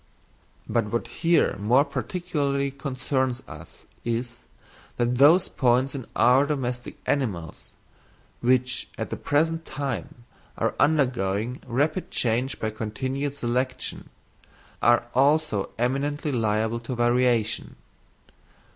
But what here more particularly concerns us is, that those points in our domestic animals, which at the present time are undergoing rapid change by continued selection, are also eminently liable to variation.